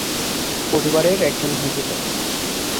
পরিবারের একজন হয়ে যেতে।